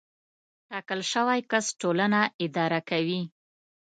ټاکل شوی کس ټولنه اداره کوي.